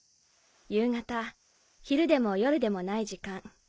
夕方昼でも夜でもない時間。